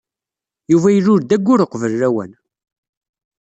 Yuba ilul-d ayyur uqbel lawan.